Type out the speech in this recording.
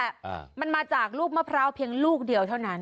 อ่ามันมาจากลูกมะพร้าวเพียงลูกเดียวเท่านั้น